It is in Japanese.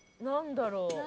何だろう？